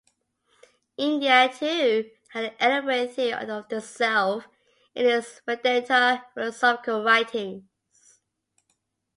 India, too, had an elaborate theory of "the self" in its Vedanta philosophical writings.